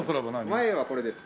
前はこれです。